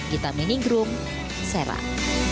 kita mini grup serang